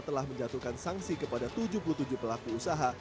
telah menjatuhkan sanksi kepada tujuh puluh tujuh pelaku usaha